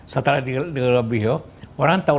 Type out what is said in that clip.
setelah dikendali baliho orang tahu